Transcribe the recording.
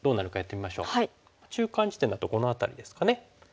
中間地点だとこの辺りですかね。